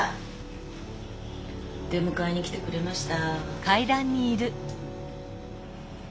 出迎えに来てくれました。